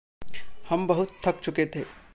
हम बहुत थक चुके थे।